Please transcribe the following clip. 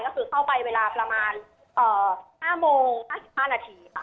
ก็คือเข้าไปเวลาประมาณ๕โมง๕๕นาทีค่ะ